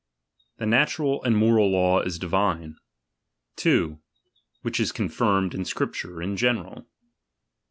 The natural and moral law is divine. 3. Which is conHnned in Scripture, in general.